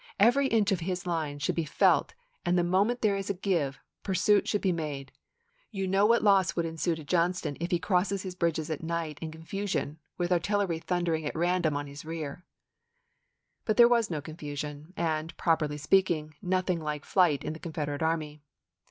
Every inch of his line should be felt and the moment there is a give, pursuit should be made. .. You know what loss would ensue to Johnston if he crosses his bridges at night in con fusion, with artillery thundering at random on his ibid., p. io4. rear." But there was no confusion, and, properly speak ing, nothing like flight in the Confederate army.